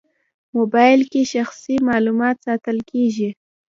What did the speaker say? موبایل کې شخصي معلومات ساتل کېږي.